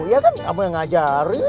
ya kan kamu yang ngajarin